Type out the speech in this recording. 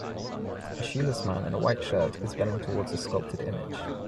A shoeless man in a white shirt is bending towards a sculpted image